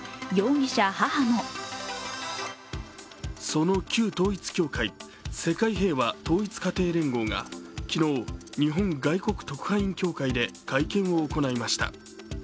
その旧統一教会、世界平和統一家庭連合が昨日、日本外国特派員協会で会見を行いました。